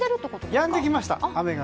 やんできました。